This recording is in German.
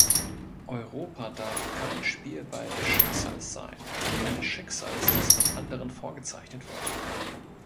Europa darf kein Spielball des Schicksals sein, eines Schicksals, das von anderen vorgezeichnet wird.